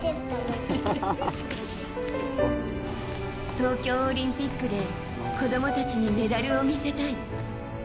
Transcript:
東京オリンピックで子供たちにメダルを見せたい。